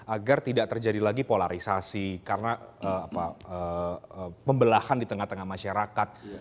agar tidak terjadi lagi polarisasi karena pembelahan di tengah tengah masyarakat